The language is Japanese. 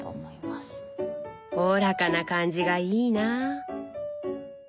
おおらかな感じがいいなあ。